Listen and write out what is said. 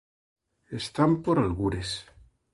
Están por algures.